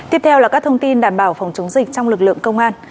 tiếp theo là các thông tin đảm bảo phòng chống dịch trong lực lượng công an